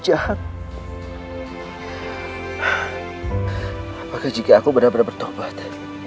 apakah jika aku benar benar bertobat